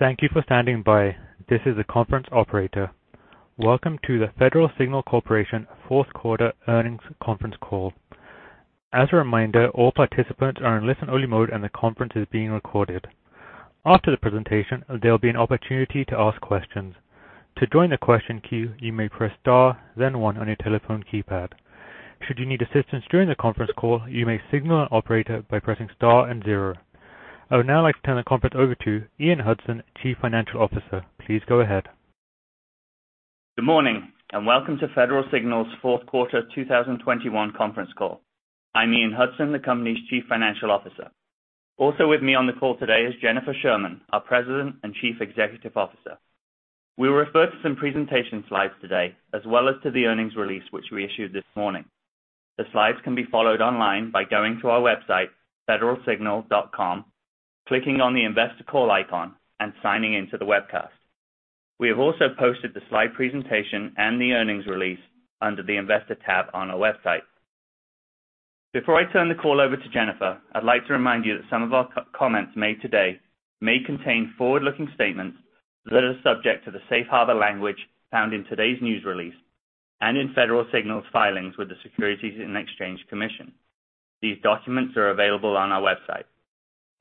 Thank you for standing by. This is the conference operator. Welcome to the Federal Signal Corporation fourth quarter earnings conference call. As a reminder, all participants are in listen-only mode, and the conference is being recorded. After the presentation, there'll be an opportunity to ask questions. To join the question queue, you may press Star, then one on your telephone keypad. Should you need assistance during the conference call, you may signal an operator by pressing Star and zero. I would now like to turn the conference over to Ian Hudson, Chief Financial Officer. Please go ahead. Good morning, and welcome to Federal Signal's fourth quarter 2021 conference call. I'm Ian Hudson, the company's Chief Financial Officer. Also with me on the call today is Jennifer Sherman, our President and Chief Executive Officer. We'll refer to some presentation slides today as well as to the earnings release which we issued this morning. The slides can be followed online by going to our website, federalsignal.com, clicking on the Investor Call icon, and signing in to the webcast. We have also posted the slide presentation and the earnings release under the Investor tab on our website. Before I turn the call over to Jennifer, I'd like to remind you that some of our comments made today may contain forward-looking statements that are subject to the safe harbor language found in today's news release and in Federal Signal's filings with the Securities and Exchange Commission. These documents are available on our website.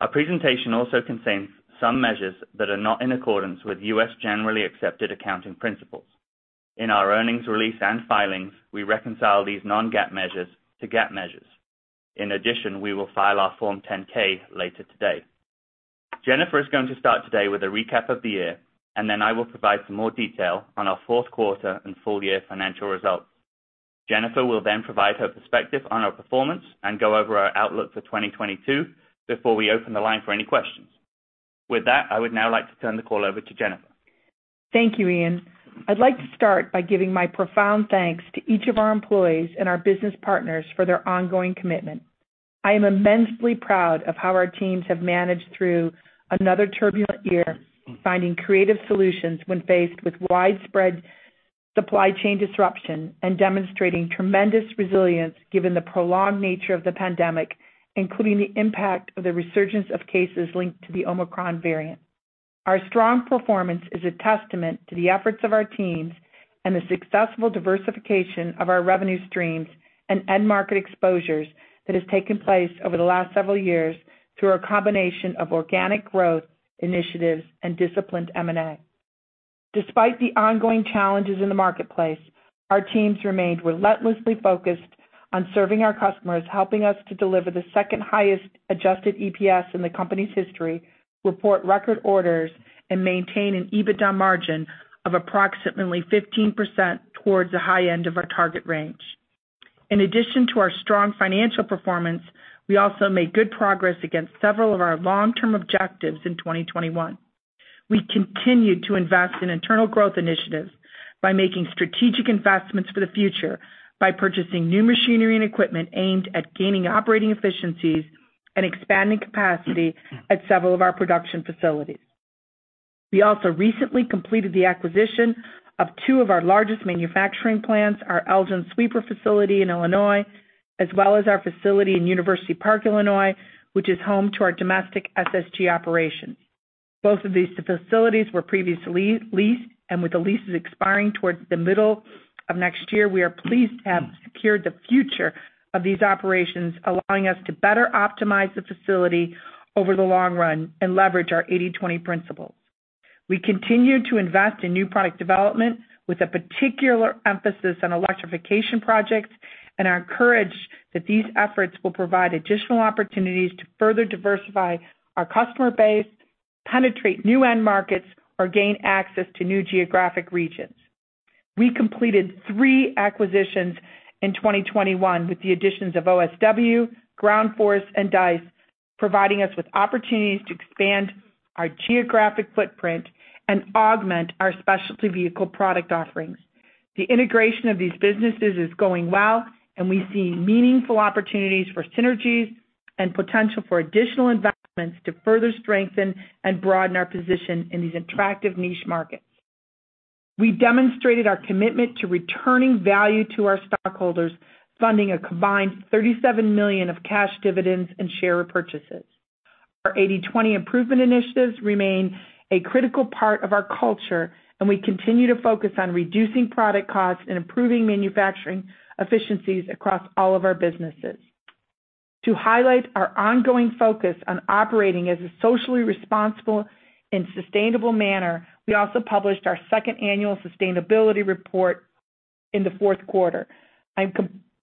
Our presentation also contains some measures that are not in accordance with U.S. generally accepted accounting principles. In our earnings release and filings, we reconcile these non-GAAP measures to GAAP measures. In addition, we will file our Form 10-K later today. Jennifer is going to start today with a recap of the year, and then I will provide some more detail on our fourth quarter and full-year financial results. Jennifer will then provide her perspective on our performance and go over our outlook for 2022 before we open the line for any questions. With that, I would now like to turn the call over to Jennifer. Thank you, Ian. I'd like to start by giving my profound thanks to each of our employees and our business partners for their ongoing commitment. I am immensely proud of how our teams have managed through another turbulent year, finding creative solutions when faced with widespread supply chain disruption and demonstrating tremendous resilience given the prolonged nature of the pandemic, including the impact of the resurgence of cases linked to the Omicron variant. Our strong performance is a testament to the efforts of our teams and the successful diversification of our revenue streams and end market exposures that has taken place over the last several years through a combination of organic growth initiatives and disciplined M&A. Despite the ongoing challenges in the marketplace, our teams remained relentlessly focused on serving our customers, helping us to deliver the second highest adjusted EPS in the company's history, report record orders, and maintain an EBITDA margin of approximately 15% towards the high end of our target range. In addition to our strong financial performance, we also made good progress against several of our long-term objectives in 2021. We continued to invest in internal growth initiatives by making strategic investments for the future by purchasing new machinery and equipment aimed at gaining operating efficiencies and expanding capacity at several of our production facilities. We also recently completed the acquisition of two of our largest manufacturing plants, our Elgin sweeper facility in Illinois, as well as our facility in University Park, Illinois, which is home to our domestic SSG operations. Both of these facilities were previously leased, and with the leases expiring towards the middle of next year, we are pleased to have secured the future of these operations, allowing us to better optimize the facility over the long run and leverage our 80/20 principle. We continued to invest in new product development with a particular emphasis on electrification projects, and are encouraged that these efforts will provide additional opportunities to further diversify our customer base, penetrate new end markets, or gain access to new geographic regions. We completed three acquisitions in 2021 with the additions of OSW, Ground Force, and Deist, providing us with opportunities to expand our geographic footprint and augment our specialty vehicle product offerings. The integration of these businesses is going well, and we see meaningful opportunities for synergies and potential for additional investments to further strengthen and broaden our position in these attractive niche markets. We demonstrated our commitment to returning value to our stockholders, funding a combined $37 million of cash dividends and share purchases. Our 80/20 improvement initiatives remain a critical part of our culture, and we continue to focus on reducing product costs and improving manufacturing efficiencies across all of our businesses. To highlight our ongoing focus on operating in a socially responsible and sustainable manner, we also published our second annual sustainability report in the fourth quarter. I'm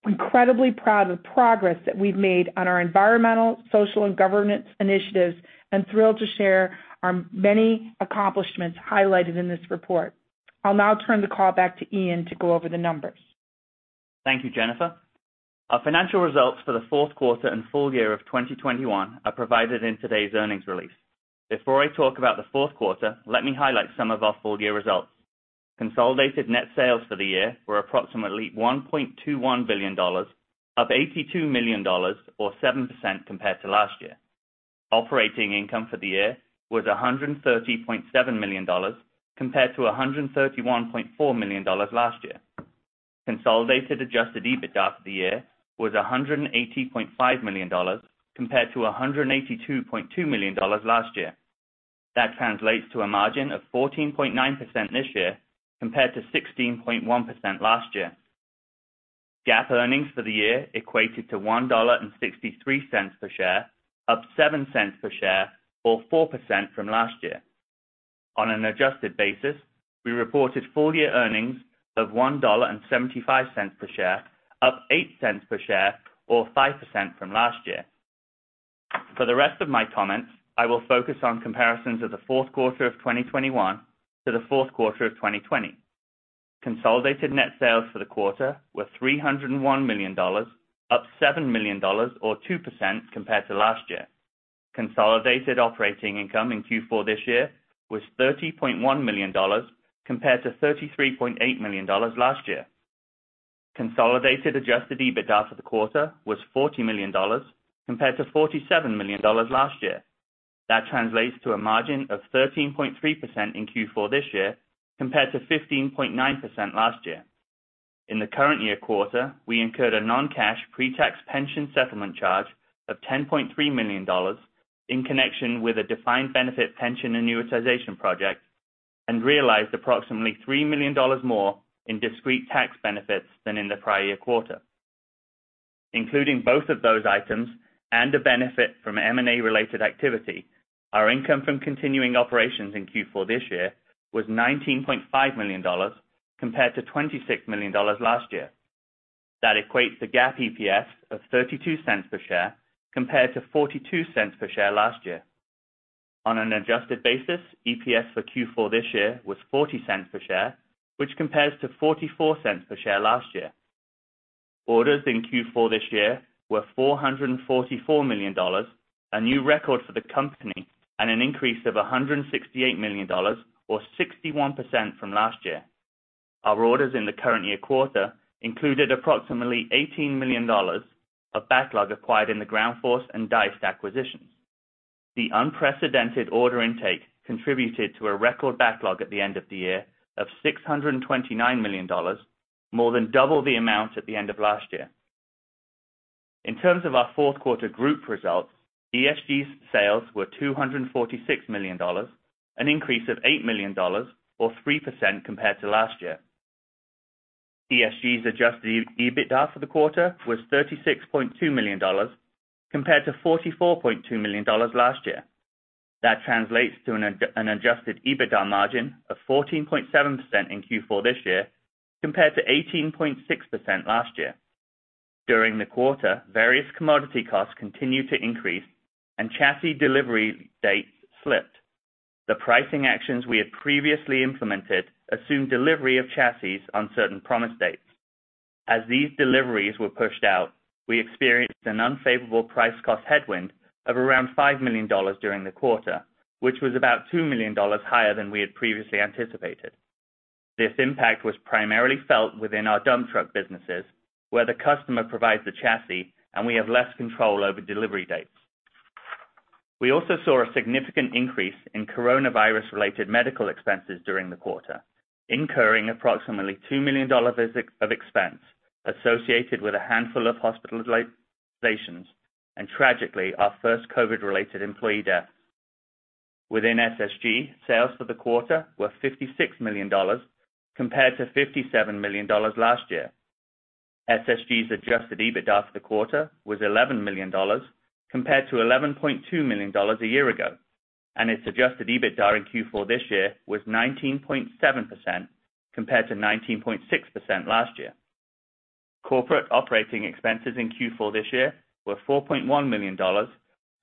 incredibly proud of the progress that we've made on our environmental, social, and governance initiatives and thrilled to share our many accomplishments highlighted in this report. I'll now turn the call back to Ian to go over the numbers. Thank you, Jennifer. Our financial results for the fourth quarter and full-year of 2021 are provided in today's earnings release. Before I talk about the fourth quarter, let me highlight some of our full-year results. Consolidated net sales for the year were approximately $1.21 billion, up $82 million or 7% compared to last year. Operating income for the year was $130.7 million compared to $131.4 million last year. Consolidated adjusted EBITDA for the year was $180.5 million compared to $182.2 million last year. That translates to a margin of 14.9% this year, compared to 16.1% last year. GAAP earnings for the year equated to $1.63 per share, up $0.07 per share or 4% from last year. On an adjusted basis, we reported full-year earnings of $1.75 per share, up $0.08 per share or 5% from last year. For the rest of my comments, I will focus on comparisons of the fourth quarter of 2021 to the fourth quarter of 2020. Consolidated net sales for the quarter were $301 million, up $7 million or 2% compared to last year. Consolidated operating income in Q4 this year was $30.1 million compared to $33.8 million last year. Consolidated adjusted EBITDA for the quarter was $40 million compared to $47 million last year. That translates to a margin of 13.3% in Q4 this year compared to 15.9% last year. In the current year quarter, we incurred a non-cash pre-tax pension settlement charge of $10.3 million in connection with a defined benefit pension annuitization project and realized approximately $3 million more in discrete tax benefits than in the prior quarter. Including both of those items and a benefit from M&A related activity, our income from continuing operations in Q4 this year was $19.5 million compared to $26 million last year. That equates to the GAAP EPS of $0.32 per share compared to $0.42 per share last year. On an adjusted basis, EPS for Q4 this year was $0.40 per share, which compares to $0.44 per share last year. Orders in Q4 this year were $444 million, a new record for the company, and an increase of $168 million or 61% from last year. Our orders in the current year quarter included approximately $18 million of backlog acquired in the Ground Force and Deist acquisitions. The unprecedented order intake contributed to a record backlog at the end of the year of $629 million, more than double the amount at the end of last year. In terms of our fourth quarter group results, ESG's sales were $246 million, an increase of $8 million or 3% compared to last year. ESG's adjusted EBITDA for the quarter was $36.2 million compared to $44.2 million last year. That translates to an adjusted EBITDA margin of 14.7% in Q4 this year compared to 18.6% last year. During the quarter, various commodity costs continued to increase and chassis delivery dates slipped. The pricing actions we had previously implemented assumed delivery of chassis on certain promise dates. As these deliveries were pushed out, we experienced an unfavorable price cost headwind of around $5 million during the quarter, which was about $2 million higher than we had previously anticipated. This impact was primarily felt within our dump truck businesses, where the customer provides the chassis and we have less control over delivery dates. We also saw a significant increase in coronavirus-related medical expenses during the quarter, incurring approximately $2 million of expense associated with a handful of hospitalizations and tragically, our first COVID-related employee death. Within SSG, sales for the quarter were $56 million compared to $57 million last year. SSG's adjusted EBITDA for the quarter was $11 million compared to $11.2 million a year ago, and its adjusted EBITDA in Q4 this year was 19.7% compared to 19.6% last year. Corporate operating expenses in Q4 this year were $4.1 million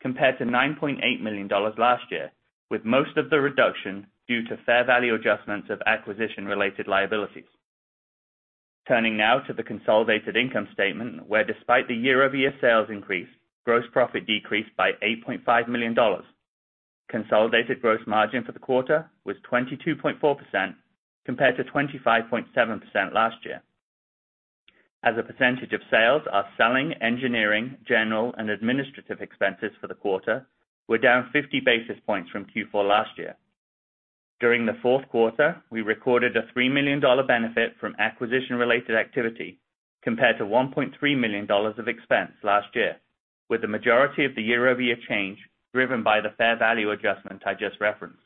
compared to $9.8 million last year, with most of the reduction due to fair value adjustments of acquisition-related liabilities. Turning now to the consolidated income statement where despite the year-over-year sales increase, gross profit decreased by $8.5 million. Consolidated gross margin for the quarter was 22.4% compared to 25.7% last year. As a percentage of sales, selling, engineering, general, and administrative expenses for the quarter were down 50 basis points from Q4 last year. During the fourth quarter, we recorded a $3 million benefit from acquisition-related activity compared to $1.3 million of expense last year, with the majority of the year-over-year change driven by the fair value adjustment I just referenced.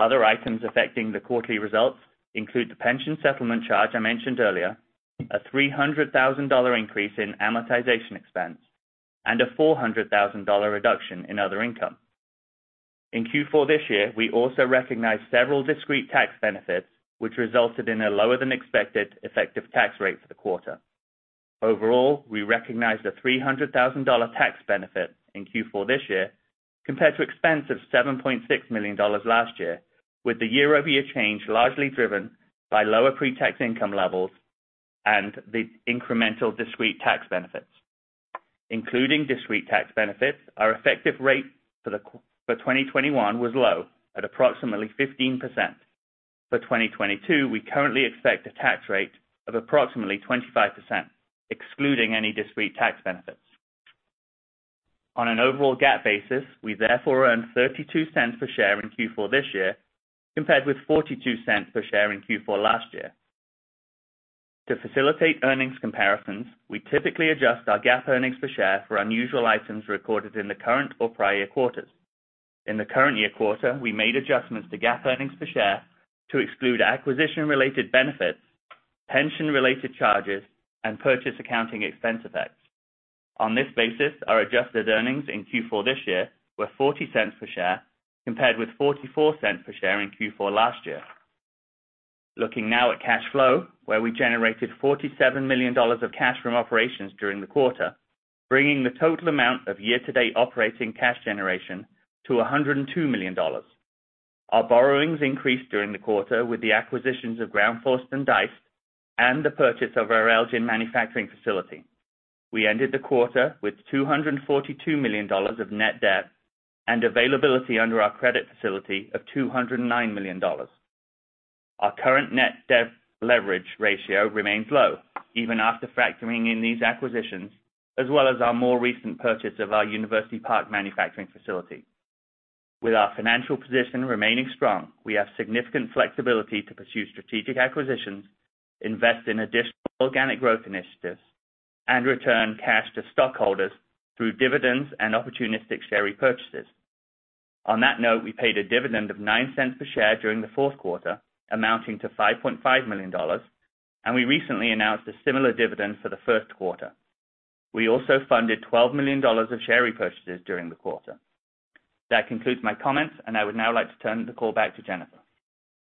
Other items affecting the quarterly results include the pension settlement charge I mentioned earlier, a $300,000 increase in amortization expense, and a $400,000 reduction in other income. In Q4 this year, we also recognized several discrete tax benefits, which resulted in a lower-than-expected effective tax rate for the quarter. Overall, we recognized a $300,000 tax benefit in Q4 this year compared to expense of $7.6 million last year, with the year-over-year change largely driven by lower pre-tax income levels and the incremental discrete tax benefits. Including discrete tax benefits, our effective rate for 2021 was low at approximately 15%. For 2022, we currently expect a tax rate of approximately 25%, excluding any discrete tax benefits. On an overall GAAP basis, we therefore earned $0.32 per share in Q4 this year, compared with $0.42 per share in Q4 last year. To facilitate earnings comparisons, we typically adjust our GAAP earnings per share for unusual items recorded in the current or prior year quarters. In the current year quarter, we made adjustments to GAAP earnings per share to exclude acquisition-related benefits, pension-related charges, and purchase accounting expense effects. On this basis, our adjusted earnings in Q4 this year were $0.40 per share, compared with $0.44 per share in Q4 last year. Looking now at cash flow, where we generated $47 million of cash from operations during the quarter, bringing the total amount of year-to-date operating cash generation to $102 million. Our borrowings increased during the quarter with the acquisitions of Ground Force and Deist and the purchase of our Elgin manufacturing facility. We ended the quarter with $242 million of net debt and availability under our credit facility of $209 million. Our current net debt leverage ratio remains low even after factoring in these acquisitions, as well as our more recent purchase of our University Park manufacturing facility. With our financial position remaining strong, we have significant flexibility to pursue strategic acquisitions, invest in additional organic growth initiatives, and return cash to stockholders through dividends and opportunistic share repurchases. On that note, we paid a dividend of $0.09 per share during the fourth quarter, amounting to $5.5 million, and we recently announced a similar dividend for the first quarter. We also funded $12 million of share repurchases during the quarter. That concludes my comments, and I would now like to turn the call back to Jennifer.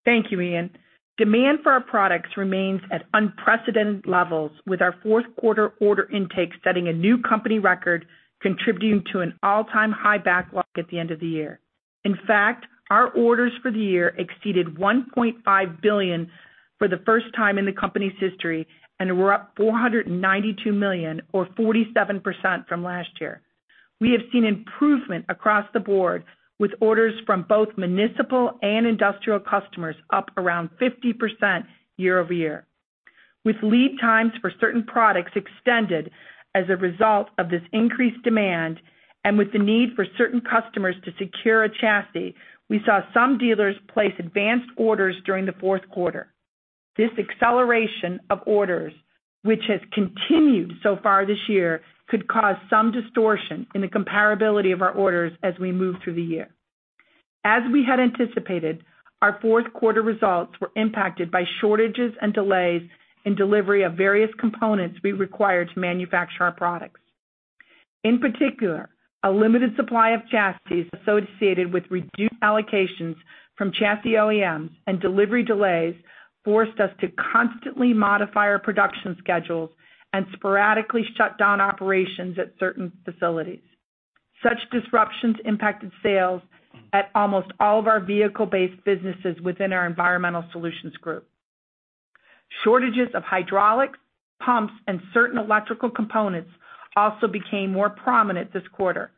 Thank you, Ian. Demand for our products remains at unprecedented levels, with our fourth quarter order intake setting a new company record, contributing to an all-time high backlog at the end of the year. In fact, our orders for the year exceeded $1.5 billion for the first time in the company's history, and we're up $492 million or 47% from last year. We have seen improvement across the board, with orders from both municipal and industrial customers up around 50% year-over-year. With lead times for certain products extended as a result of this increased demand, and with the need for certain customers to secure a chassis, we saw some dealers place advanced orders during the fourth quarter. This acceleration of orders, which has continued so far this year, could cause some distortion in the comparability of our orders as we move through the year. As we had anticipated, our fourth quarter results were impacted by shortages and delays in delivery of various components we require to manufacture our products. In particular, a limited supply of chassis associated with reduced allocations from chassis OEMs and delivery delays forced us to constantly modify our production schedules and sporadically shut down operations at certain facilities. Such disruptions impacted sales at almost all of our vehicle-based businesses within our Environmental Solutions Group. Shortages of hydraulics, pumps, and certain electrical components also became more prominent this quarter.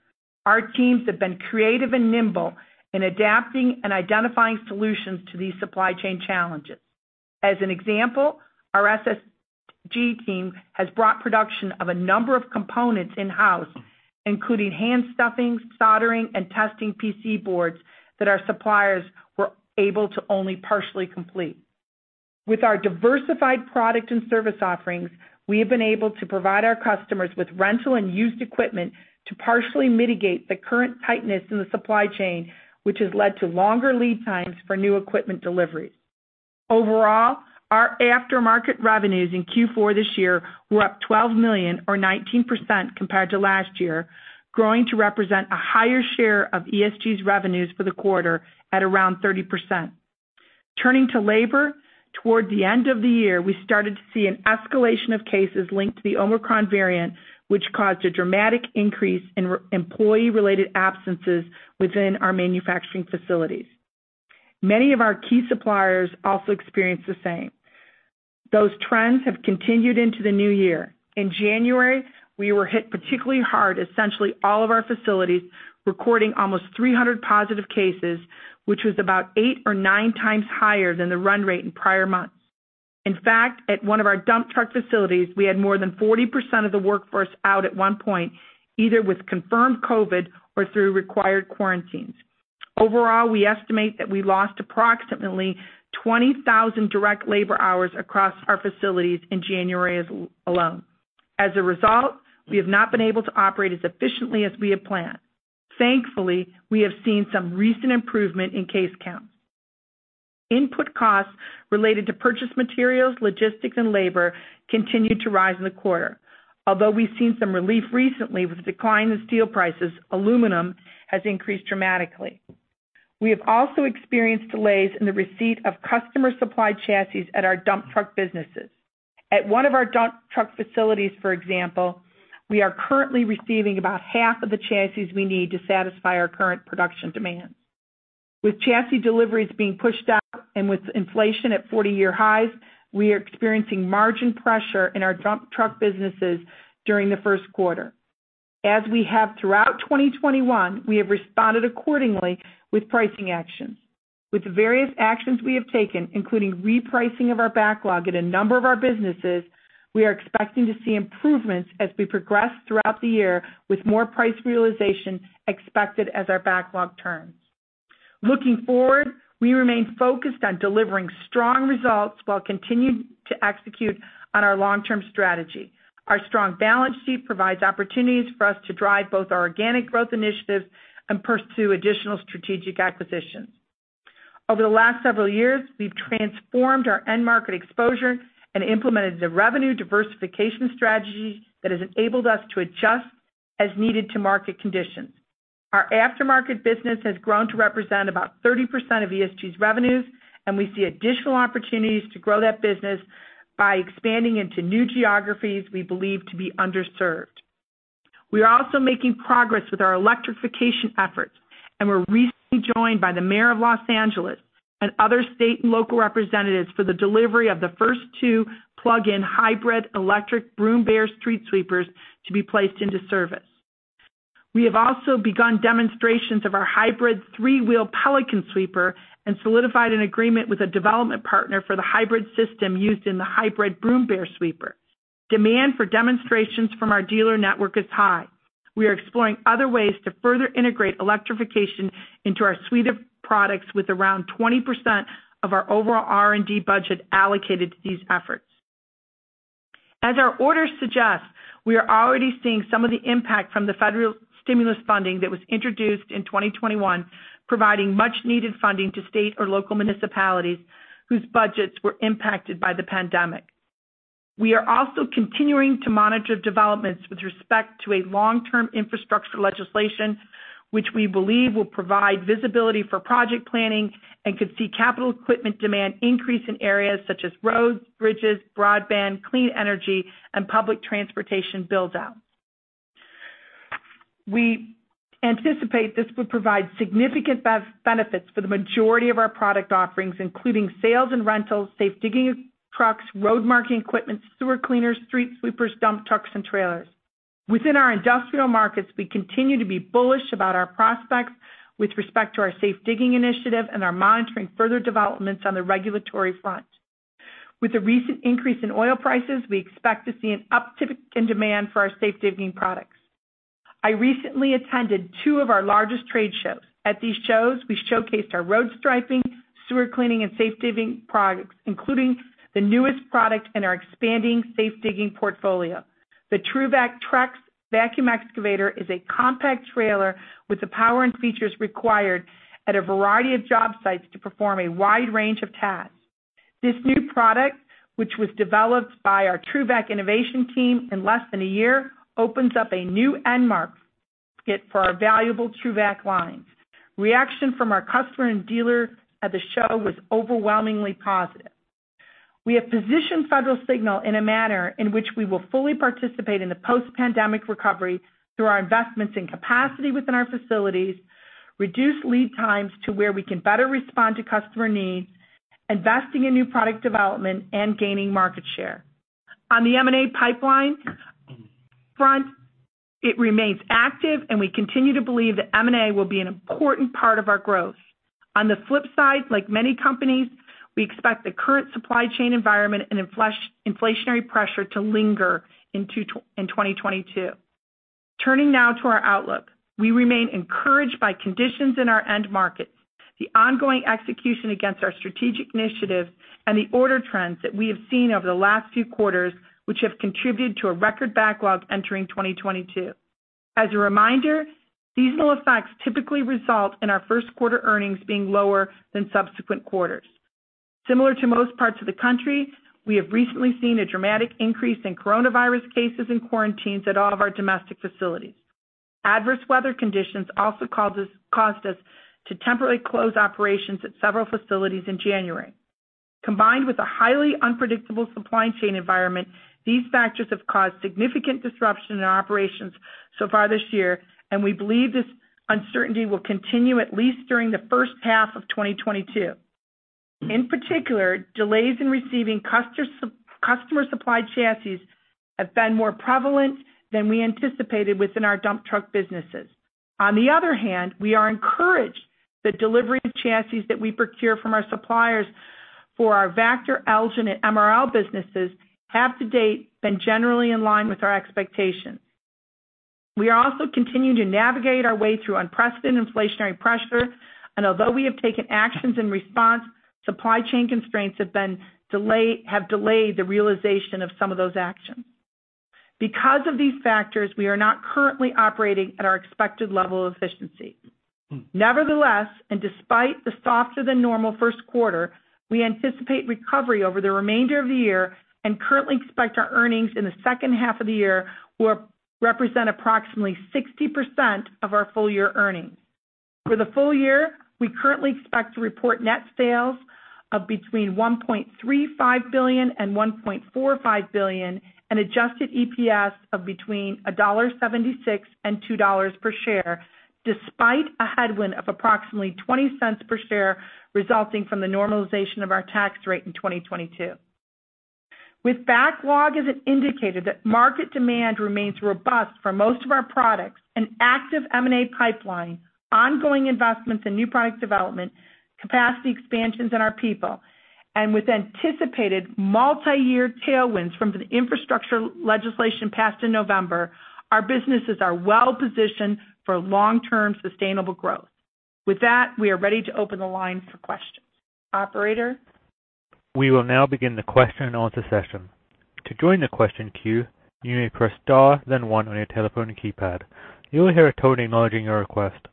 Our teams have been creative and nimble in adapting and identifying solutions to these supply chain challenges. As an example, our SSG team has brought production of a number of components in-house, including hand stuffing, soldering, and testing PC boards that our suppliers were able to only partially complete. With our diversified product and service offerings, we have been able to provide our customers with rental and used equipment to partially mitigate the current tightness in the supply chain, which has led to longer lead times for new equipment deliveries. Overall, our aftermarket revenues in Q4 this year were up $12 million or 19% compared to last year, growing to represent a higher share of ESG's revenues for the quarter at around 30%. Turning to labor, towards the end of the year, we started to see an escalation of cases linked to the Omicron variant, which caused a dramatic increase in employee-related absences within our manufacturing facilities. Many of our key suppliers also experienced the same. Those trends have continued into the new year. In January, we were hit particularly hard, essentially all of our facilities recording almost 300 positive cases, which was about eight or nine times higher than the run rate in prior months. In fact, at one of our dump truck facilities, we had more than 40% of the workforce out at one point, either with confirmed COVID or through required quarantines. Overall, we estimate that we lost approximately 20,000 direct labor hours across our facilities in January alone. As a result, we have not been able to operate as efficiently as we had planned. Thankfully, we have seen some recent improvement in case counts. Input costs related to purchased materials, logistics, and labor continued to rise in the quarter. Although we've seen some relief recently with the decline in steel prices, aluminum has increased dramatically. We have also experienced delays in the receipt of customer supply chassis at our dump truck businesses. At one of our dump truck facilities, for example, we are currently receiving about half of the chassis we need to satisfy our current production demands. With chassis deliveries being pushed out and with inflation at 40-year highs, we are experiencing margin pressure in our dump truck businesses during the first quarter. As we have throughout 2021, we have responded accordingly with pricing actions. With the various actions we have taken, including repricing of our backlog in a number of our businesses, we are expecting to see improvements as we progress throughout the year with more price realization expected as our backlog turns. Looking forward, we remain focused on delivering strong results while continuing to execute on our long-term strategy. Our strong balance sheet provides opportunities for us to drive both our organic growth initiatives and pursue additional strategic acquisitions. Over the last several years, we've transformed our end market exposure and implemented the revenue diversification strategy that has enabled us to adjust as needed to market conditions. Our aftermarket business has grown to represent about 30% of ESG's revenues, and we see additional opportunities to grow that business by expanding into new geographies we believe to be underserved. We are also making progress with our electrification efforts, and were recently joined by the Mayor of Los Angeles and other state and local representatives for the delivery of the first two plug-in hybrid electric Broom Bear street sweepers to be placed into service. We have also begun demonstrations of our hybrid three-wheel Pelican sweeper and solidified an agreement with a development partner for the hybrid system used in the hybrid Broom Bear sweeper. Demand for demonstrations from our dealer network is high. We are exploring other ways to further integrate electrification into our suite of products with around 20% of our overall R&D budget allocated to these efforts. As our orders suggest, we are already seeing some of the impact from the federal stimulus funding that was introduced in 2021, providing much needed funding to state or local municipalities whose budgets were impacted by the pandemic. We are also continuing to monitor developments with respect to a long-term infrastructure legislation, which we believe will provide visibility for project planning and could see capital equipment demand increase in areas such as roads, bridges, broadband, clean energy, and public transportation build-out. We anticipate this would provide significant benefits for the majority of our product offerings, including sales and rentals, safe digging trucks, road marking equipment, sewer cleaners, street sweepers, dump trucks, and trailers. Within our industrial markets, we continue to be bullish about our prospects with respect to our safe digging initiative and are monitoring further developments on the regulatory front. With the recent increase in oil prices, we expect to see an uptick in demand for our safe digging products. I recently attended two of our largest trade shows. At these shows, we showcased our road striping, sewer cleaning, and safe digging products, including the newest product in our expanding safe digging portfolio. The TRUVAC TRXX vacuum excavator is a compact trailer with the power and features required at a variety of job sites to perform a wide range of tasks. This new product, which was developed by our TRUVAC innovation team in less than a year, opens up a new end market for our valuable TRUVAC lines. Reaction from our customer and dealer at the show was overwhelmingly positive. We have positioned Federal Signal in a manner in which we will fully participate in the post-pandemic recovery through our investments in capacity within our facilities, reduce lead times to where we can better respond to customer needs, investing in new product development, and gaining market share. On the M&A pipeline front, it remains active, and we continue to believe that M&A will be an important part of our growth. On the flip side, like many companies, we expect the current supply chain environment and inflationary pressure to linger into 2022. Turning now to our outlook. We remain encouraged by conditions in our end markets, the ongoing execution against our strategic initiatives, and the order trends that we have seen over the last few quarters, which have contributed to a record backlog entering 2022. As a reminder, seasonal effects typically result in our first quarter earnings being lower than subsequent quarters. Similar to most parts of the country, we have recently seen a dramatic increase in coronavirus cases and quarantines at all of our domestic facilities. Adverse weather conditions also caused us to temporarily close operations at several facilities in January. Combined with a highly unpredictable supply chain environment, these factors have caused significant disruption in our operations so far this year, and we believe this uncertainty will continue at least during the first half of 2022. In particular, delays in receiving customer supplied chassis have been more prevalent than we anticipated within our dump truck businesses. On the other hand, we are encouraged that delivery of chassis that we procure from our suppliers for our Vactor, Elgin, and MRL businesses have to date been generally in line with our expectations. We are also continuing to navigate our way through unprecedented inflationary pressure, and although we have taken actions in response, supply chain constraints have delayed the realization of some of those actions. Because of these factors, we are not currently operating at our expected level of efficiency. Nevertheless, and despite the softer than normal first quarter, we anticipate recovery over the remainder of the year and currently expect our earnings in the second half of the year will represent approximately 60% of our full-year earnings. For the full-year, we currently expect to report net sales of between $1.35 billion-$1.45 billion, and adjusted EPS of between $1.76 and $2 per share, despite a headwind of approximately $0.20 per share resulting from the normalization of our tax rate in 2022. With backlog as an indicator that market demand remains robust for most of our products, an active M&A pipeline, ongoing investments in new product development, capacity expansions in our people, and with anticipated multi-year tailwinds from the infrastructure legislation passed in November, our businesses are well positioned for long-term sustainable growth. With that, we are ready to open the line for questions. Operator? We will now begin the question and answer session. To join the question queue, you may press star then one on your telephone keypad. You will hear a tone acknowledging your request.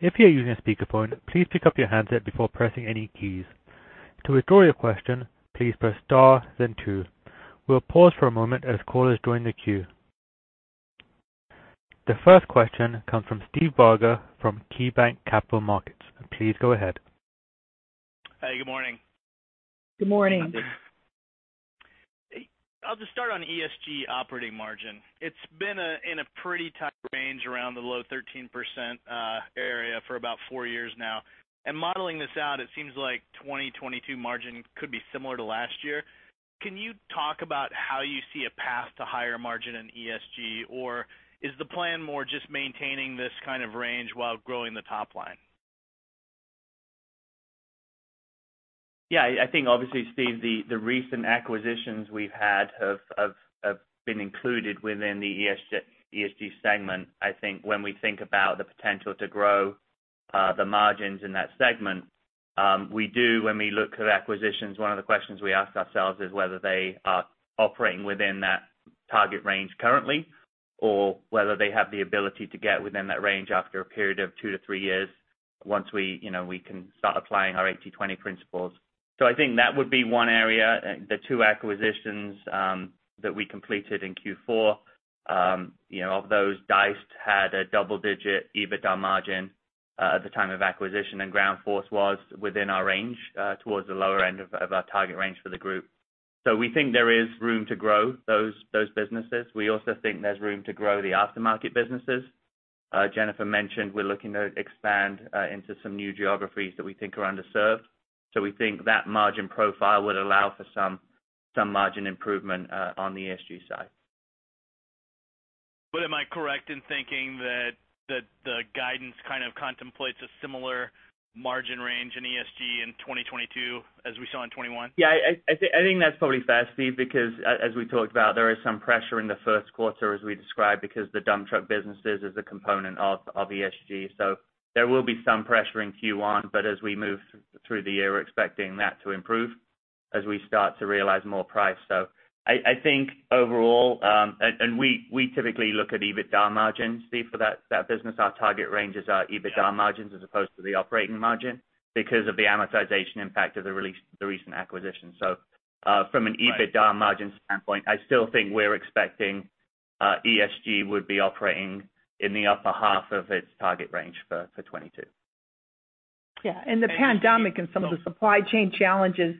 If you are using a speakerphone, please pick up your handset before pressing any keys. To withdraw your question, please press star then two. We'll pause for a moment as callers join the queue. The first question comes from Steve Barger from KeyBanc Capital Markets. Please go ahead. Hi, good morning. Good morning. I'll just start on ESG operating margin. It's been in a pretty tight range around the low 13% area for about 4 years now. Modeling this out, it seems like 2022 margin could be similar to last year. Can you talk about how you see a path to higher margin in ESG? Or is the plan more just maintaining this kind of range while growing the top line? Yeah, I think obviously, Steve, the recent acquisitions we've had have been included within the ESG segment. I think when we think about the potential to grow the margins in that segment, we do when we look at acquisitions, one of the questions we ask ourselves is whether they are operating within that target range currently, or whether they have the ability to get within that range after a period of two to three years once we, you know, we can start applying our 80/20 principles. I think that would be one area. The two acquisitions that we completed in Q4, you know, of those, Deist had a double-digit EBITDA margin at the time of acquisition, and Ground Force was within our range towards the lower end of our target range for the group. We think there is room to grow those businesses. We also think there's room to grow the aftermarket businesses. Jennifer mentioned we're looking to expand into some new geographies that we think are underserved. We think that margin profile would allow for some margin improvement on the ESG side. Am I correct in thinking that the guidance kind of contemplates a similar margin range in ESG in 2022 as we saw in 2021? Yeah, I think that's probably fair, Steve, because as we talked about, there is some pressure in the first quarter as we described, because the dump truck business is a component of ESG. So there will be some pressure in Q1, but as we move through the year, we're expecting that to improve as we start to realize more price. So I think overall, and we typically look at EBITDA margins, Steve, for that business. Our target ranges are EBITDA margins as opposed to the operating margin because of the amortization impact of the recent acquisition. So, from an EBITDA margin standpoint, I still think we're expecting ESG would be operating in the upper half of its target range for 2022. Yeah. The pandemic and some of the supply chain challenges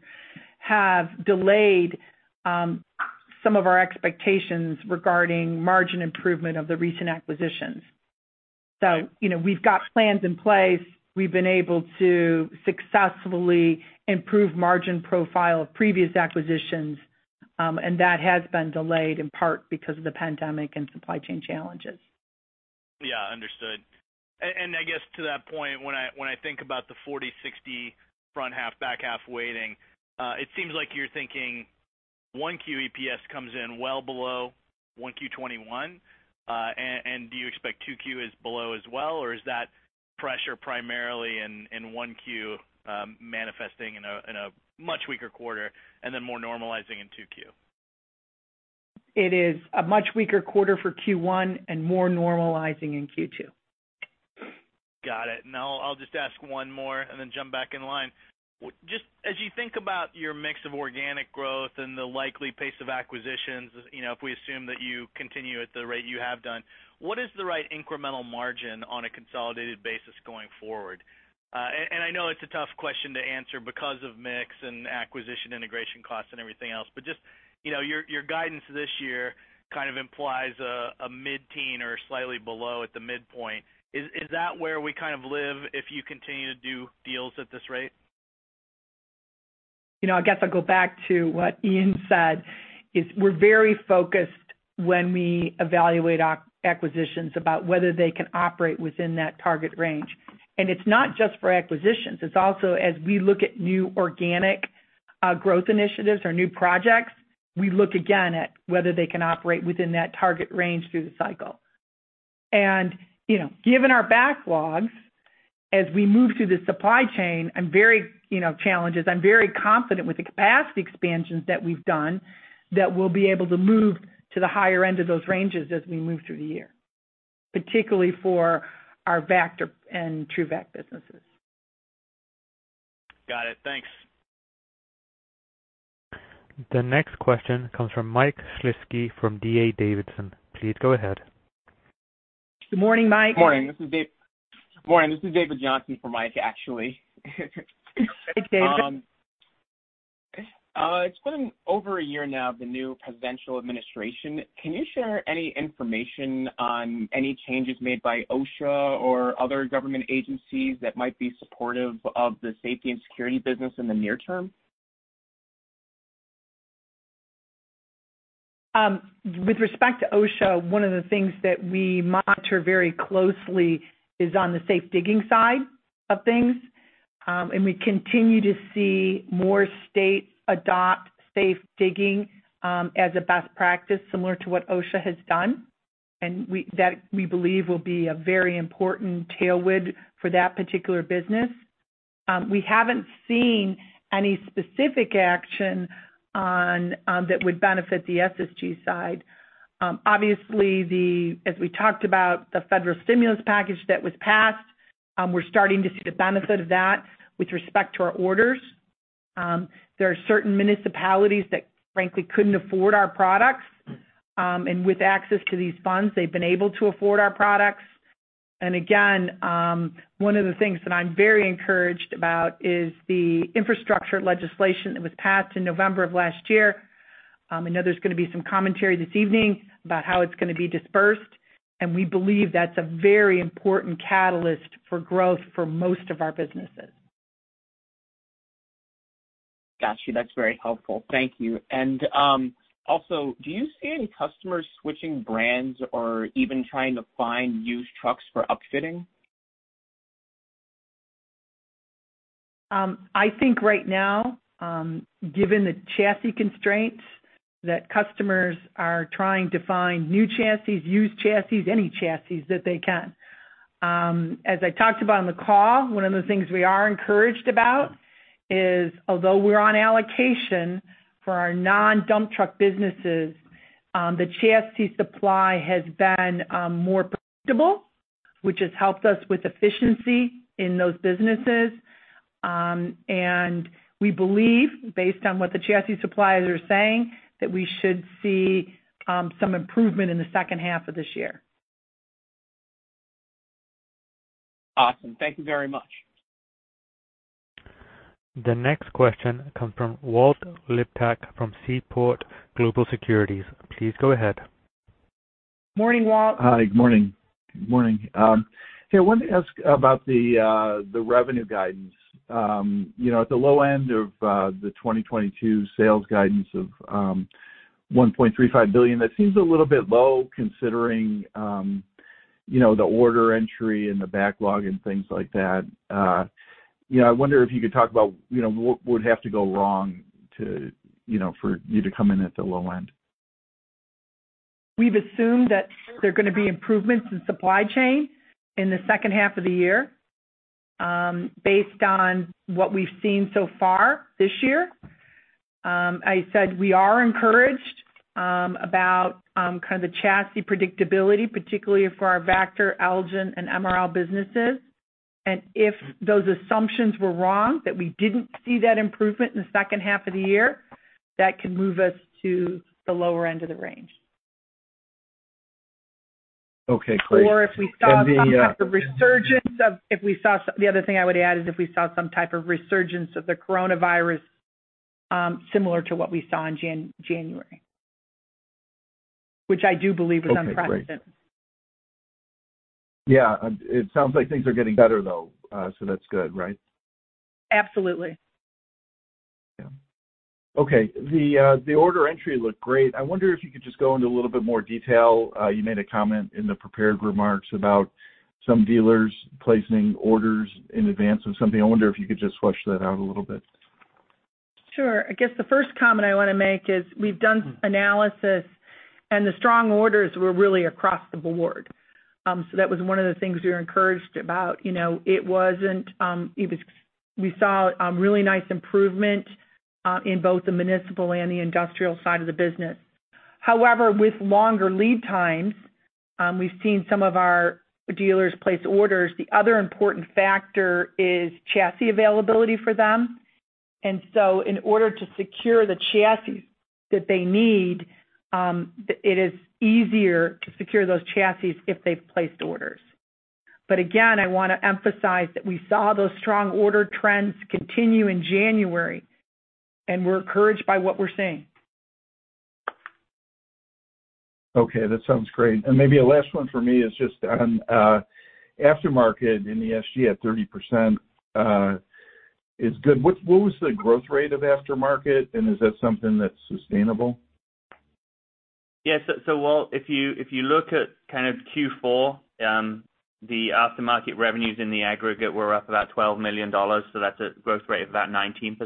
have delayed some of our expectations regarding margin improvement of the recent acquisitions. You know, we've got plans in place. We've been able to successfully improve margin profile of previous acquisitions, and that has been delayed in part because of the pandemic and supply chain challenges. Yeah, understood. I guess to that point, when I think about the 40/60 front half/back half weighting, it seems like you're thinking Q1 EPS comes in well below Q1 2021. Do you expect Q2 is below as well, or is that pressure primarily in Q1, manifesting in a much weaker quarter and then more normalizing in Q2? It is a much weaker quarter for Q1 and more normalizing in Q2. Got it. I'll just ask one more and then jump back in line. Just as you think about your mix of organic growth and the likely pace of acquisitions, you know, if we assume that you continue at the rate you have done, what is the right incremental margin on a consolidated basis going forward? And I know it's a tough question to answer because of mix and acquisition integration costs and everything else. Just, you know, your guidance this year kind of implies a mid-teen or slightly below at the midpoint. Is that where we kind of live if you continue to do deals at this rate? You know, I guess I'll go back to what Ian said, is we're very focused when we evaluate acquisitions about whether they can operate within that target range. It's not just for acquisitions. It's also as we look at new organic growth initiatives or new projects, we look again at whether they can operate within that target range through the cycle. You know, given our backlogs, as we move through the supply chain challenges, I'm very confident with the capacity expansions that we've done, that we'll be able to move to the higher end of those ranges as we move through the year, particularly for our Vactor and TRUVAC businesses. Got it. Thanks. The next question comes from Michael Shlisky from D.A. Davidson. Please go ahead. Good morning, Mike. Morning. This is David Johnson for Mike, actually. Thanks, David. It's been over a year now, the new presidential administration. Can you share any information on any changes made by OSHA or other government agencies that might be supportive of the safety and security business in the near term? With respect to OSHA, one of the things that we monitor very closely is on the safe digging side of things. We continue to see more states adopt safe digging as a best practice, similar to what OSHA has done. We believe that will be a very important tailwind for that particular business. We haven't seen any specific action that would benefit the ESG side. Obviously, as we talked about, the federal stimulus package that was passed, we're starting to see the benefit of that with respect to our orders. There are certain municipalities that, frankly, couldn't afford our products. With access to these funds, they've been able to afford our products. Again, one of the things that I'm very encouraged about is the infrastructure legislation that was passed in November of last year. I know there's gonna be some commentary this evening about how it's gonna be dispersed, and we believe that's a very important catalyst for growth for most of our businesses. Got you. That's very helpful. Thank you. Also, do you see any customers switching brands or even trying to find used trucks for upfitting? I think right now, given the chassis constraints, that customers are trying to find new chassis, used chassis, any chassis that they can. As I talked about on the call, one of the things we are encouraged about is, although we're on allocation for our non-dump truck businesses, the chassis supply has been more predictable, which has helped us with efficiency in those businesses. We believe, based on what the chassis suppliers are saying, that we should see some improvement in the second half of this year. Awesome. Thank you very much. The next question comes from Walt Liptak from Seaport Global Securities. Please go ahead. Morning, Walt. Hi. Morning. Hey, I wanted to ask about the revenue guidance. You know, at the low end of the 2022 sales guidance of $1.35 billion, that seems a little bit low considering you know, the order entry and the backlog and things like that. You know, I wonder if you could talk about you know, what would have to go wrong to you know, for you to come in at the low end. We've assumed that there are gonna be improvements in supply chain in the second half of the year, based on what we've seen so far this year. I said we are encouraged about kind of the chassis predictability, particularly for our Vactor, Elgin, and MRL businesses. If those assumptions were wrong, that we didn't see that improvement in the second half of the year, that could move us to the lower end of the range. Okay, great. The other thing I would add is if we saw some type of resurgence of the coronavirus, similar to what we saw in January, which I do believe is unprecedented. Okay, great. Yeah, it sounds like things are getting better though. So that's good, right? Absolutely. Yeah. Okay. The order entry looked great. I wonder if you could just go into a little bit more detail. You made a comment in the prepared remarks about some dealers placing orders in advance of something. I wonder if you could just flesh that out a little bit. Sure. I guess the first comment I wanna make is we've done analysis, and the strong orders were really across the board. That was one of the things we were encouraged about. You know, we saw a really nice improvement in both the municipal and the industrial side of the business. However, with longer lead times, we've seen some of our dealers place orders. The other important factor is chassis availability for them. In order to secure the chassis that they need, it is easier to secure those chassis if they've placed orders. Again, I wanna emphasize that we saw those strong order trends continue in January, and we're encouraged by what we're seeing. Okay, that sounds great. Maybe a last one for me is just on aftermarket in ESG at 30% is good. What was the growth rate of aftermarket, and is that something that's sustainable? Yes. Walt, if you look at kind of Q4, the aftermarket revenues in the aggregate were up about $12 million, so that's a growth rate of about 19%.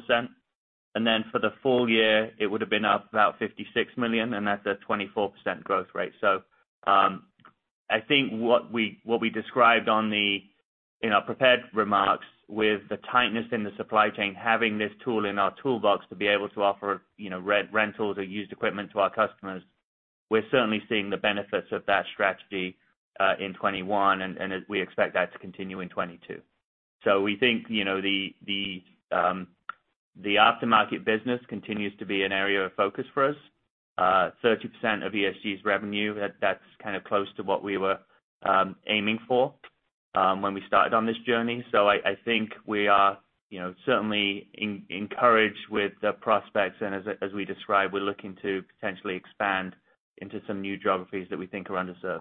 For the full-year, it would've been up about $56 million, and that's a 24% growth rate. I think what we described in our prepared remarks with the tightness in the supply chain, having this tool in our toolbox to be able to offer, you know, re-rentals or used equipment to our customers, we're certainly seeing the benefits of that strategy in 2021, and we expect that to continue in 2022. We think, you know, the aftermarket business continues to be an area of focus for us. 30% of ESG's revenue, that's kind of close to what we were aiming for when we started on this journey. I think we are, you know, certainly encouraged with the prospects. As we described, we're looking to potentially expand into some new geographies that we think are underserved.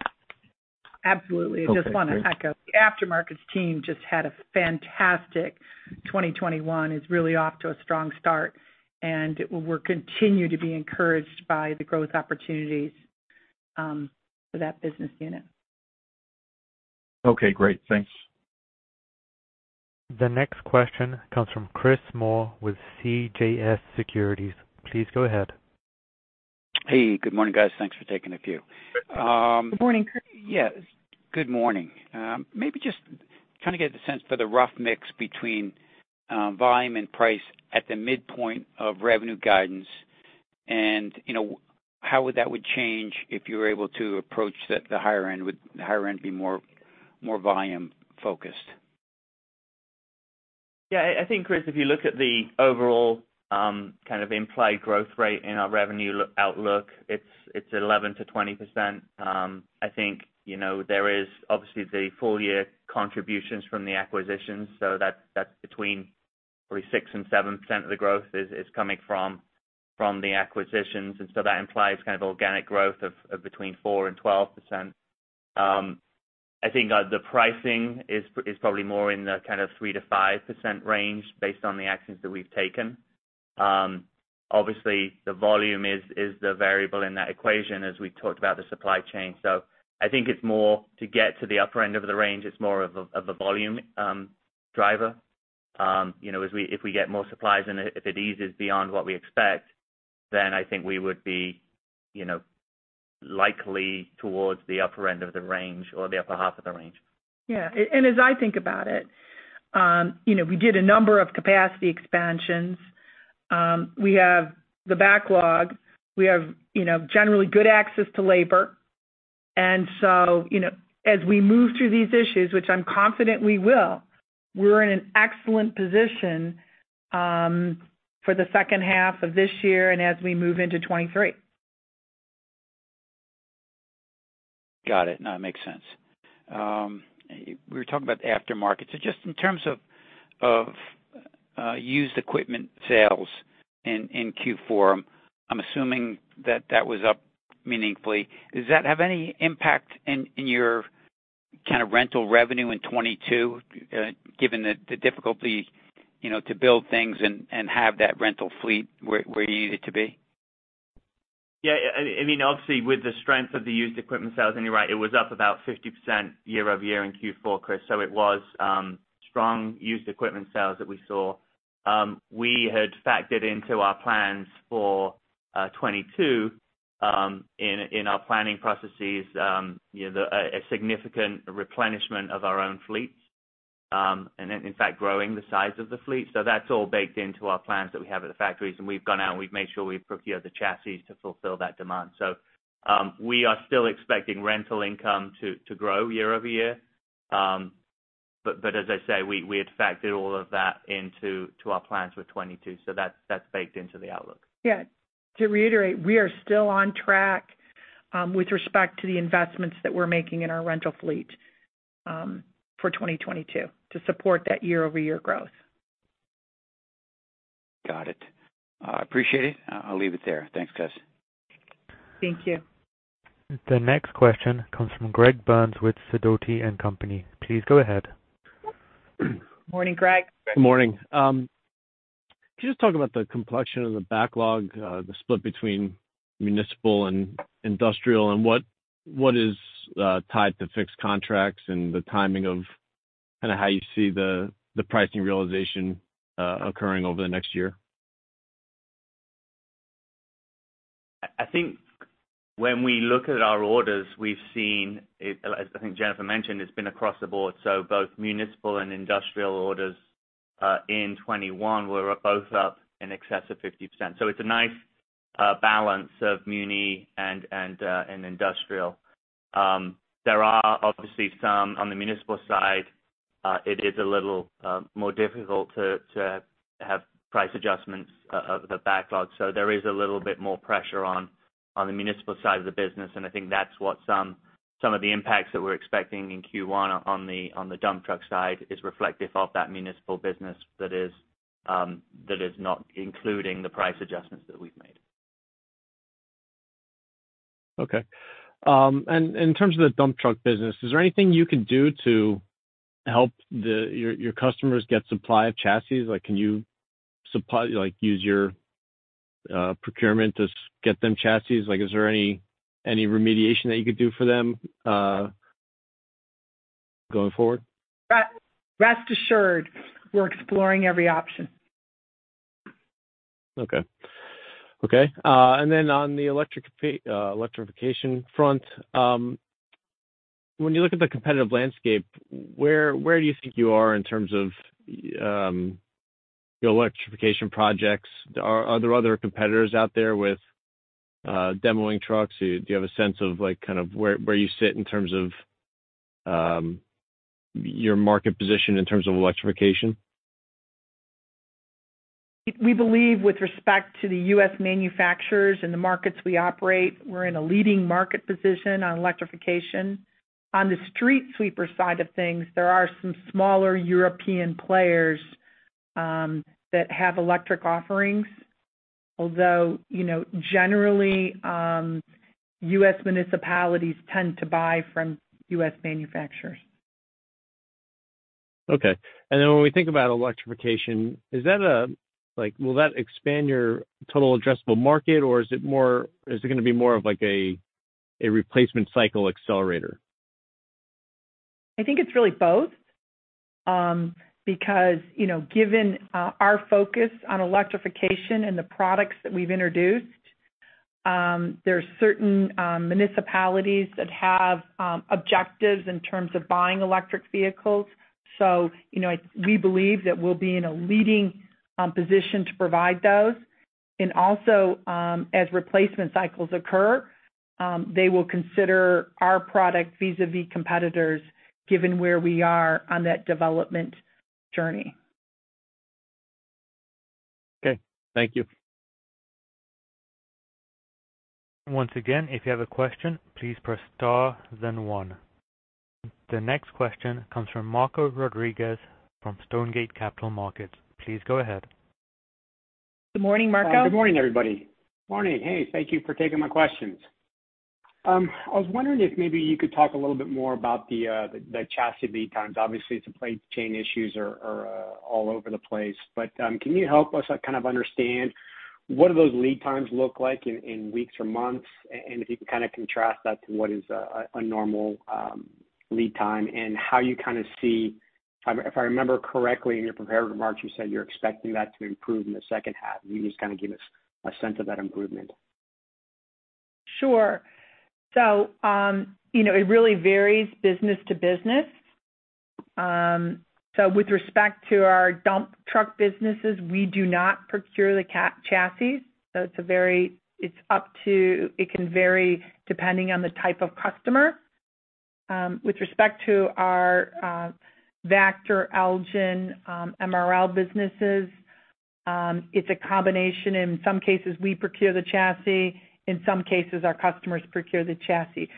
Absolutely. Okay, great. I just want to echo, the aftermarkets team just had a fantastic 2021. It's really off to a strong start, and we're continuing to be encouraged by the growth opportunities for that business unit. Okay, great. Thanks. The next question comes from Chris Moore with CJS Securities. Please go ahead. Hey, good morning, guys. Thanks for taking a few. Good morning, Chris. Yes, good morning. Maybe just trying to get the sense for the rough mix between volume and price at the midpoint of revenue guidance and, you know, how would that change if you were able to approach the higher end? Would the higher end be more volume-focused? I think, Chris, if you look at the overall kind of implied growth rate in our revenue outlook, it's 11%-20%. I think, you know, there is obviously the full-year contributions from the acquisitions, so that's between probably 6%-7% of the growth is coming from the acquisitions. That implies kind of organic growth of between 4%-12%. I think the pricing is probably more in the kind of 3%-5% range based on the actions that we've taken. Obviously the volume is the variable in that equation as we talked about the supply chain. I think it's more to get to the upper end of the range. It's more of a volume driver. You know, if we get more supplies and if it eases beyond what we expect, then I think we would be, you know, likely towards the upper end of the range or the upper half of the range. As I think about it, you know, we did a number of capacity expansions. We have the backlog. We have, you know, generally good access to labor. You know, as we move through these issues, which I'm confident we will, we're in an excellent position for the second half of this year and as we move into 2023. Got it. No, it makes sense. We were talking about the aftermarket. So just in terms of used equipment sales in Q4, I'm assuming that was up meaningfully. Does that have any impact in your kind of rental revenue in 2022 given the difficulty, you know, to build things and have that rental fleet where you need it to be? Yeah. I mean, obviously, with the strength of the used equipment sales, and you're right, it was up about 50% year-over-year in Q4, Chris. It was strong used equipment sales that we saw. We had factored into our plans for 2022 in our planning processes, you know, a significant replenishment of our own fleet and in fact growing the size of the fleet. That's all baked into our plans that we have at the factories. We've gone out and we've made sure we've procured the chassis to fulfill that demand. We are still expecting rental income to grow year-over-year. As I say, we had factored all of that into our plans for 2022. That's baked into the outlook. Yeah. To reiterate, we are still on track, with respect to the investments that we're making in our rental fleet, for 2022 to support that year-over-year growth. Got it. I appreciate it. I'll leave it there. Thanks, guys. Thank you. The next question comes from Greg Burns with Sidoti & Company. Please go ahead. Morning, Greg. Good morning. Can you just talk about the complexion of the backlog, the split between municipal and industrial and what is tied to fixed contracts and the timing of kind of how you see the pricing realization occurring over the next year? I think when we look at our orders, we've seen, as I think Jennifer mentioned, it's been across the board. Both municipal and industrial orders in 2021 were both up in excess of 50%. It's a nice balance of muni and industrial. There are obviously some on the municipal side, it is a little more difficult to have price adjustments of the backlog. There is a little bit more pressure on the municipal side of the business, and I think that's what some of the impacts that we're expecting in Q1 on the dump truck side is reflective of that municipal business that is not including the price adjustments that we've made. Okay. In terms of the dump truck business, is there anything you can do to help your customers get supply of chassis? Like, can you use your procurement to get them chassis? Like, is there any remediation that you could do for them going forward? Rest assured, we're exploring every option. On the electrification front, when you look at the competitive landscape, where do you think you are in terms of your electrification projects? Are there other competitors out there with demoing trucks? Do you have a sense of, like, kind of where you sit in terms of your market position in terms of electrification? We believe with respect to the U.S. manufacturers and the markets we operate, we're in a leading market position on electrification. On the street sweeper side of things, there are some smaller European players that have electric offerings. Although, you know, generally, U.S. municipalities tend to buy from U.S. manufacturers. When we think about electrification, is that like, will that expand your total addressable market, or is it gonna be more of, like, a replacement cycle accelerator? I think it's really both. Because, you know, given our focus on electrification and the products that we've introduced, there are certain municipalities that have objectives in terms of buying electric vehicles. You know, we believe that we'll be in a leading position to provide those. Also, as replacement cycles occur, they will consider our product vis-à-vis competitors given where we are on that development journey. Okay, thank you. Once again, if you have a question, please press star then one. The next question comes from Marco Rodriguez from Stonegate Capital Markets. Please go ahead. Good morning, Marco. Good morning, everybody. Morning. Hey, thank you for taking my questions. I was wondering if maybe you could talk a little bit more about the chassis lead times. Obviously, supply chain issues are all over the place. Can you help us kind of understand what do those lead times look like in weeks or months, and if you can kinda contrast that to what is a normal lead time and how you kinda see. If I remember correctly in your prepared remarks, you said you're expecting that to improve in the second half. Can you just kinda give us a sense of that improvement? Sure. You know, it really varies business to business. With respect to our dump truck businesses, we do not procure the chassis. It can vary depending on the type of customer. With respect to our Vactor, Elgin, MRL businesses, it's a combination. In some cases, we procure the chassis. In some cases, our customers procure the chassis.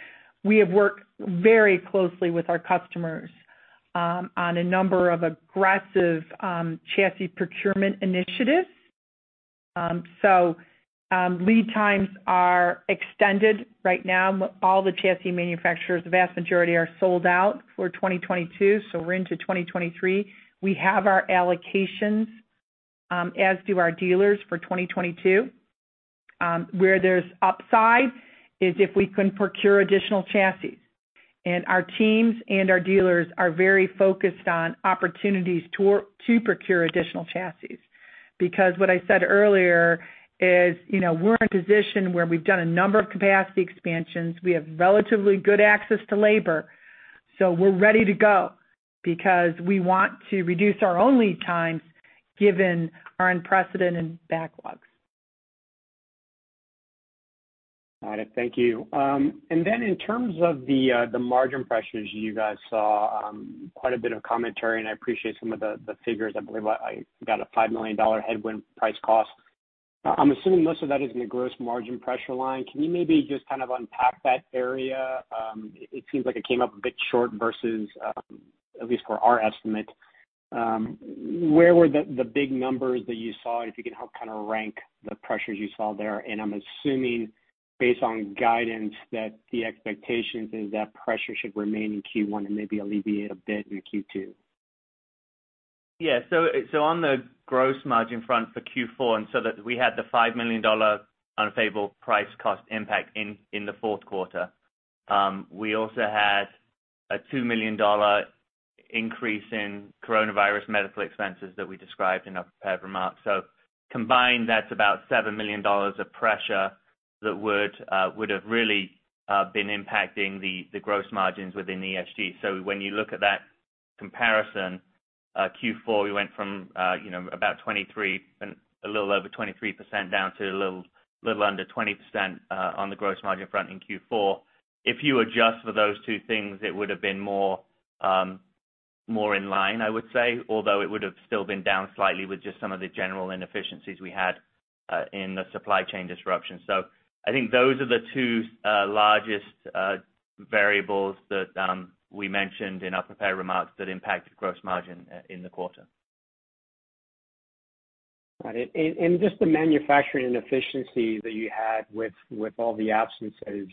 We have worked very closely with our customers on a number of aggressive chassis procurement initiatives. Lead times are extended right now. All the chassis manufacturers, the vast majority are sold out for 2022, so we're into 2023. We have our allocations, as do our dealers for 2022. Where there's upside is if we can procure additional chassis. Our teams and our dealers are very focused on opportunities to procure additional chassis. Because what I said earlier is, you know, we're in a position where we've done a number of capacity expansions. We have relatively good access to labor. We're ready to go because we want to reduce our own lead times given our unprecedented backlogs. All right. Thank you. And then in terms of the margin pressures, you guys saw quite a bit of commentary, and I appreciate some of the figures. I believe I got a $5 million headwind price cost. I'm assuming most of that is in the gross margin pressure line. Can you maybe just kind of unpack that area? It seems like it came up a bit short versus at least for our estimate. Where were the big numbers that you saw, and if you can help kind of rank the pressures you saw there. I'm assuming based on guidance that the expectations is that pressure should remain in Q1 and maybe alleviate a bit in Q2. On the gross margin front for Q4, we had the $5 million unfavorable price cost impact in the fourth quarter. We also had a $2 million increase in coronavirus medical expenses that we described in our prepared remarks. Combined, that's about $7 million of pressure that would have really been impacting the gross margins within ESG. When you look at that comparison, Q4, we went from about 23 and a little over 23% down to a little under 20% on the gross margin front in Q4. If you adjust for those two things, it would have been more in line, I would say, although it would have still been down slightly with just some of the general inefficiencies we had in the supply chain disruption. I think those are the two largest variables that we mentioned in our prepared remarks that impacted gross margin in the quarter. Got it. Just the manufacturing efficiency that you had with all the absences,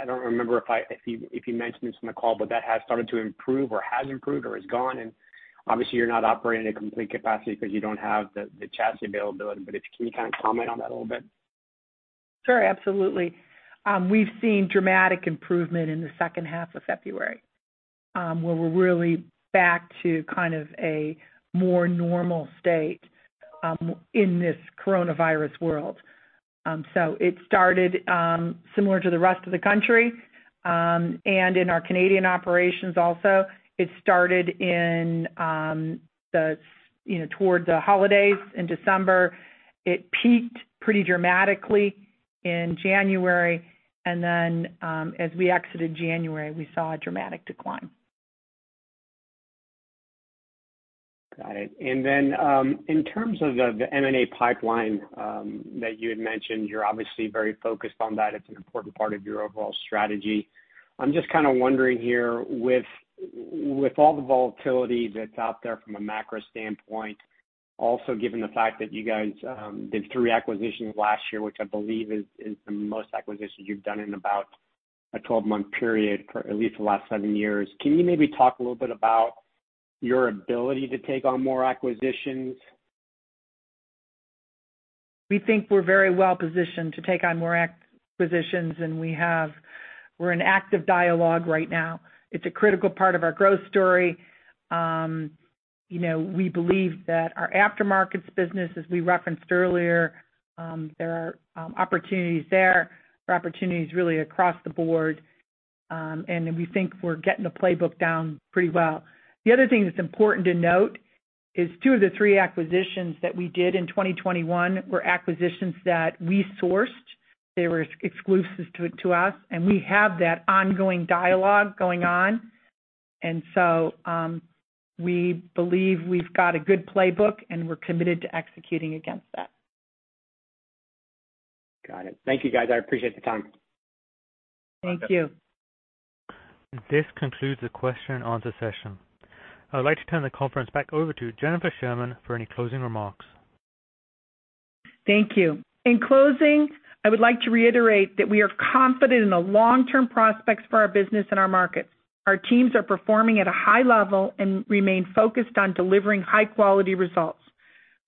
I don't remember if you mentioned this in the call, but that has started to improve or has improved or is gone. Obviously you're not operating at complete capacity because you don't have the chassis availability, can you comment a little bit. Sure. Absolutely. We've seen dramatic improvement in the second half of February, where we're really back to kind of a more normal state in this coronavirus world. It started similar to the rest of the country, and in our Canadian operations also, it started in the you know towards the holidays in December. It peaked pretty dramatically in January, and then as we exited January, we saw a dramatic decline. Got it. In terms of the M&A pipeline that you had mentioned, you're obviously very focused on that. It's an important part of your overall strategy. I'm just kinda wondering here, with all the volatility that's out there from a macro standpoint, also given the fact that you guys did three acquisitions last year, which I believe is the most acquisitions you've done in about a 12-month period for at least the last seven years. Can you maybe talk a little bit about your ability to take on more acquisitions? We think we're very well-positioned to take on more acquisitions. We're in active dialogue right now. It's a critical part of our growth story. You know, we believe that our aftermarkets business, as we referenced earlier, there are opportunities there. There are opportunities really across the board. We think we're getting the playbook down pretty well. The other thing that's important to note is two of the three acquisitions that we did in 2021 were acquisitions that we sourced. They were exclusive to us, and we have that ongoing dialogue going on. We believe we've got a good playbook, and we're committed to executing against that. Got it. Thank you, guys. I appreciate the time. Thank you. This concludes the question answer session. I would like to turn the conference back over to Jennifer Sherman for any closing remarks. Thank you. In closing, I would like to reiterate that we are confident in the long-term prospects for our business and our markets. Our teams are performing at a high level and remain focused on delivering high-quality results.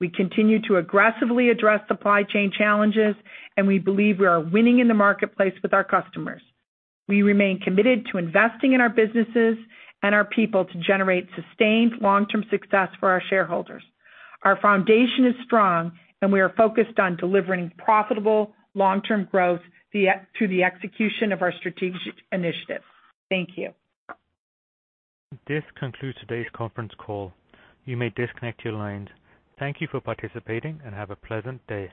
We continue to aggressively address supply chain challenges, and we believe we are winning in the marketplace with our customers. We remain committed to investing in our businesses and our people to generate sustained long-term success for our shareholders. Our foundation is strong, and we are focused on delivering profitable long-term growth through the execution of our strategic initiatives. Thank you. This concludes today's conference call. You may disconnect your lines. Thank you for participating and have a pleasant day.